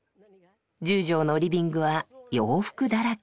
１０畳のリビングは洋服だらけ。